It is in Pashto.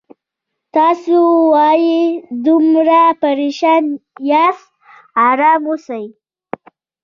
تاسو ولې دومره پریشان یاست آرام اوسئ